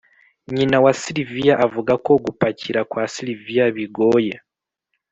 nyina wa sylvia avuga ko gupakira kwa sylvia, bigoye